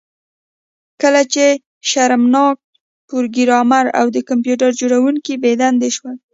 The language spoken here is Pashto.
کله چې شرمناک پروګرامر او د کمپیوټر جوړونکی بې دندې شول